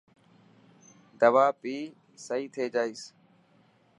دوا پي سهي ٿي جائيس.